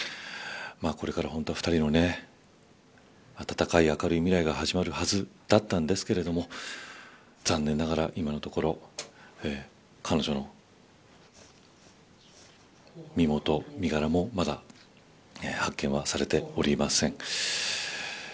これから、本当は２人の温かい明るい未来が始まるはずだったんですけれども残念ながら今のところ彼女の身元、身柄もまだ発見はされておりません。